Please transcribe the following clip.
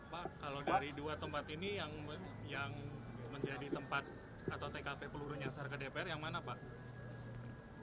pak kalau dari dua tempat ini yang menjadi tempat atau tkp peluru nyasar ke dpr yang mana pak